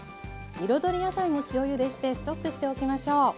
彩り野菜も塩ゆでしてストックしておきましょう。